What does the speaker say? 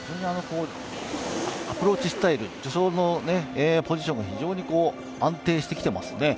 アプローチスタイル、助走のポジションも非常に安定してきていますね。